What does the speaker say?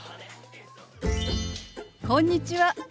こんにちは。